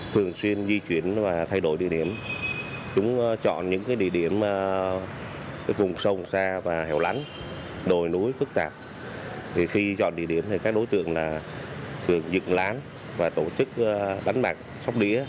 khi chọn địa điểm các đối tượng thường dựng lán và tổ chức đánh bạc sóc đĩa